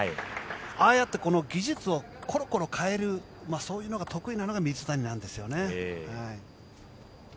ああやって技術をコロコロ変えるそういうのが得意なのが水谷なんですよね。